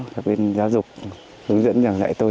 các bên giáo dục hướng dẫn dàng dạy tôi